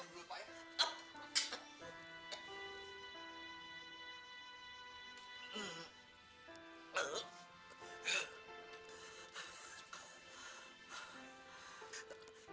jangan berlupa ya